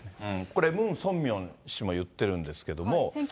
これ、ムン・ソンミョン氏も言ってるんですけれども。